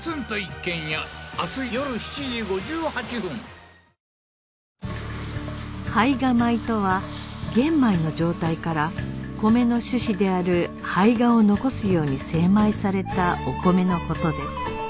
新「アタック抗菌 ＥＸ」胚芽米とは玄米の状態から米の種子である胚芽を残すように精米されたお米の事です